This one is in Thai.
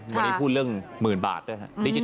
วันนี้พูดเรื่องหมื่นบาทด้วยครับ